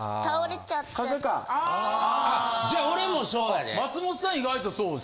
じゃあ俺もそうやで。